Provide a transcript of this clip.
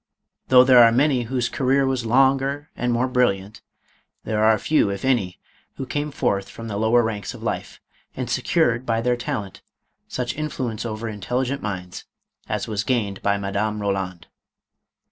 Though there are many whose career was longer and more brilliant, there are few, if any, who came forth from the lower ranks of life and secured, by their talent, such influence over intelligent minds as was gained by Madame Roland.